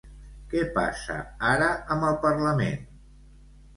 Què passa ara amb el Parlament?